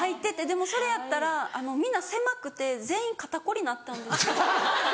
でもそれやったらみんな狭くて全員肩凝りなったんですよ。